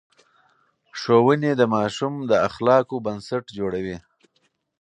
ښوونې د ماشوم د اخلاقو بنسټ جوړوي.